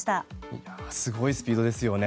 いやあすごいスピードですよね。